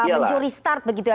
mencuri start begitu ya